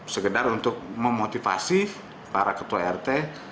sekedar untuk memotivasi para ketua rt